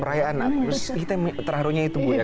perayaan terharunya itu ya